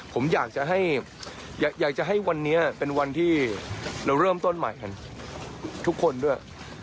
ผมอยากจะให้วันนี้เป็นวันที่เราเริ่มต้นใหม่กันทุกคนด้วย